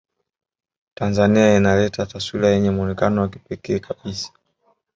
Tanzania inaleta taswira yenye muonekano wa kipekee kabisa